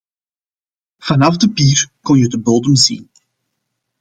Vanaf de pier kon je de bodem zien.